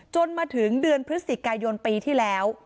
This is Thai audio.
จนถึงเดือนพฤศจิกายนปีที่แล้ว